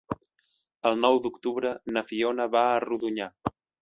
El nou d'octubre na Fiona va a Rodonyà.